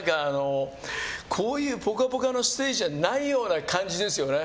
「ぽかぽか」のステージじゃないような感じですよね。